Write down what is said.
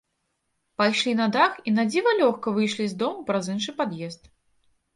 Пайшлі на дах і надзіва лёгка выйшлі з дому праз іншы пад'езд.